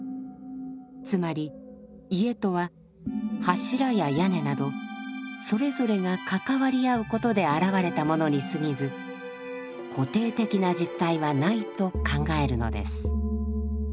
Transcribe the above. つまり家とは柱や屋根などそれぞれが関わり合うことで現れたものにすぎず固定的な実体はないと考えるのです。